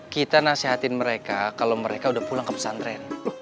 kita nasihatin mereka kalau mereka sudah pulang ke pesantren